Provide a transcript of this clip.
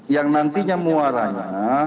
yang nantinya muaranya